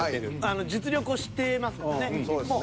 実力を知ってますもんね。